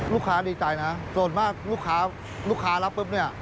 ลูกค้าดีใจนะส่วนมากลูกค้ารับปุ๊บเนี่ย